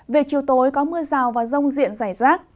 về chiều tối có mưa rào và rông diện rải rác